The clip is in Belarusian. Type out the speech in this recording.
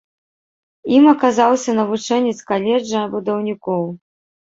Ім аказаўся навучэнец каледжа будаўнікоў.